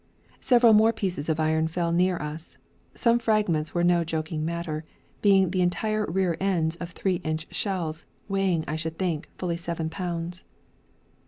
Several more pieces of iron fell near us. Some fragments were no joking matter, being the entire rear ends of three inch shells, weighing, I should think, fully seven pounds.